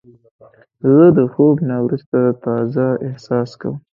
زه د خوب نه وروسته تازه احساس لرم.